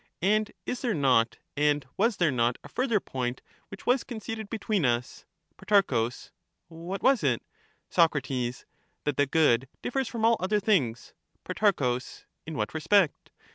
And is there not and was there not a further point which was Qonceded between us ? Pro. What was it ? Soc. That the good differs from all other things. Pro. In what respect